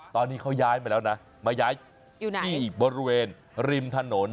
ตอนนี้เขาย้ายมาแล้วนะมาย้ายอยู่ที่บริเวณริมถนน